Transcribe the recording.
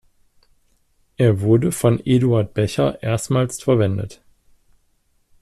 Er wurde von Eduard Becher erstmals verwendet.